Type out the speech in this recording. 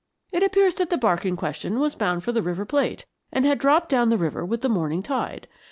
It appears that the barque in question was bound for the River Plate, and had dropped down the river with the morning tide.